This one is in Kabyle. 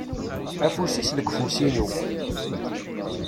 Afus-is deg ufus-inu.